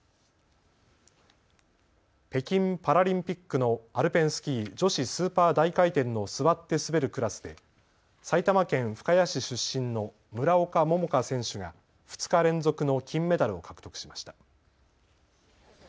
北京パラリンピックのアルペンスキー、女子スーパー大回転の座って滑るクラスで埼玉県深谷市出身の村岡桃佳選手が２日連続の金メダルを獲得しました。